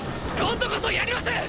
今度こそやります！